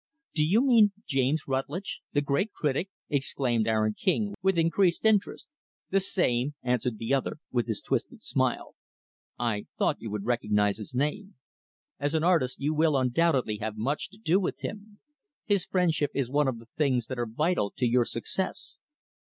"Do you mean James Rutlidge the great critic?" exclaimed Aaron King, with increased interest. "The same," answered the other, with his twisted smile. "I thought you would recognize his name. As an artist, you will undoubtedly have much to do with him. His friendship is one of the things that are vital to your success.